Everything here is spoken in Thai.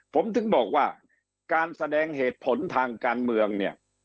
ผมถึงบอกว่าการแสดงเหตุผลทางการเมืองเนี่ย